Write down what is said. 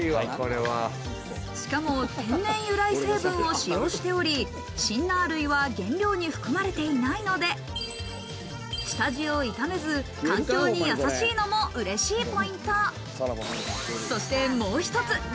しかも天然由来成分を使用しており、シンナー類は原料に含まれていないので、下地を傷めず、環境にやさしいのも嬉しいポイント。